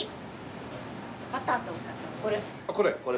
これ。